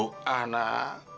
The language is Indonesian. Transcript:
bapak ya berdua anak